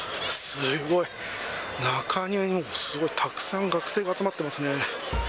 すごい、中庭にすごいたくさん学生が集まってますね。